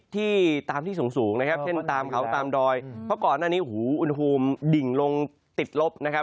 ที่ตามที่สูงตามเขาตามดอยเพราะก่อนอันนี้หู้อุ่นภูมิดิ่งลงติดลบนะครับ